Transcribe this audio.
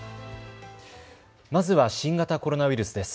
まずは新型コロナウイルスです。